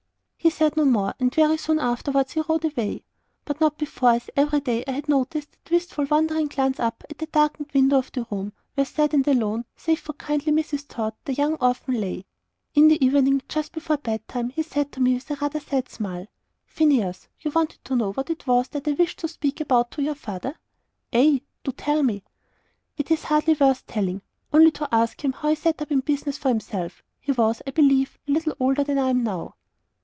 He said no more, and very soon afterwards he rode away. But not before, as every day, I had noticed that wistful wandering glance up at the darkened window of the room, where sad and alone, save for kindly Mrs. Tod, the young orphan lay. In the evening, just before bed time, he said to me with a rather sad smile, "Phineas, you wanted to know what it was that I wished to speak about to your father?" "Ay, do tell me." "It is hardly worth telling. Only to ask him how he set up in business for himself. He was, I believe, little older than I am now."